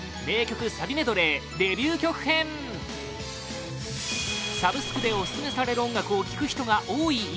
名曲サビメドレーデビュー曲編サブスクでオススメされる音楽を聴く人が多い